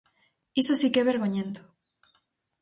¡Iso si que é vergoñento!